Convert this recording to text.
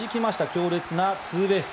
強烈なツーベース。